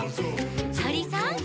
「とりさん！」